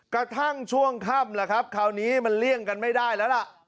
กระทั่งช่วงค่ำล่ะครับคราวนี้มันเลี่ยงกันไม่ได้แล้วล่ะ